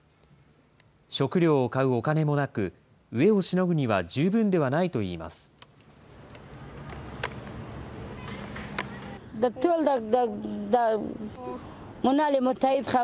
食料を買うお金もなく、飢えをしのぐには十分でないといいます。